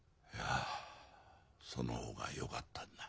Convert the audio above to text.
その方がよかったんだ。